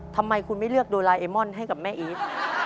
ทำไมคุณไม่เลือกโดราเอมอนให้กับแม่อีท